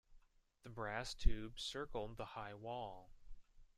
The brass tube circled the high wall.